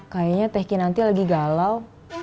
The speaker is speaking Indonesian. kayaknya tehkin nanti lagi galau